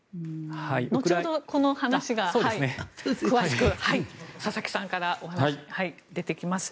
後ほど、この話が詳しく佐々木さんからお話が出てきます。